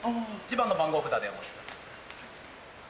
１番の番号札で。